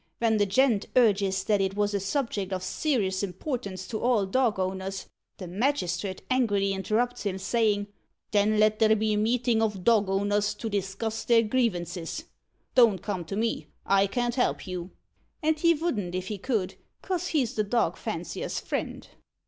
Ven the gent urges that it was a subject of ser'ous importance to all dog owners, the magistrit angrily interrupts him, sayin' 'Then let there be a meetin' of dog owners to discuss their grievances. Don't come to me. I can't help you.' And he vouldn't if he could, 'cos he's the dog fancier's friend."